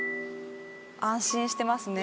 安心してますね。